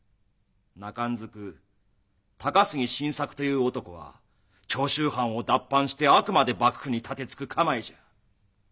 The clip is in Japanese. なかんずく高杉晋作という男は長州藩を脱藩してあくまで幕府に盾つく構えじゃ。